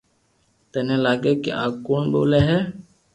ٿني لاگي ڪي آ ڪوڻ ٻولي ھي